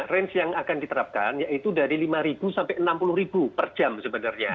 range yang akan diterapkan yaitu dari rp lima sampai enam puluh per jam sebenarnya